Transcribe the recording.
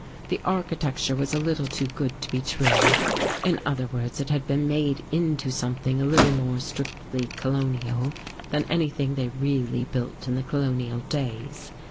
The architecture was a little too good to be true. In other words, it had been made into something a little more strictly colonial than anything they really built in the colonial days.